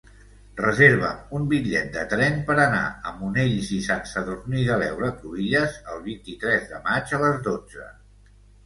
Reserva'm un bitllet de tren per anar a Monells i Sant Sadurní de l'Heura Cruïlles el vint-i-tres de maig a les dotze.